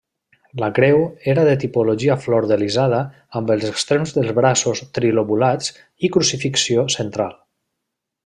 La creu era de tipologia flordelisada amb els extrems dels braços trilobulats i crucifixió central.